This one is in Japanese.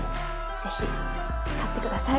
ぜひ勝ってください！